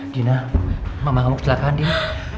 dina mama ngamuk kesalahan din